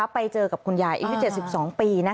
ไปเจอกับคุณยายอายุ๗๒ปี